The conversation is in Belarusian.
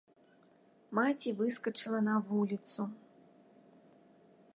Маці выскачыла на вуліцу.